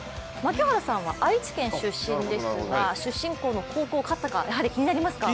槙原さんは愛知県出身ですが出身地の高校勝ったか気になりますか？